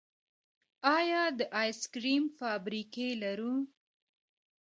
آیا د آیس کریم فابریکې لرو؟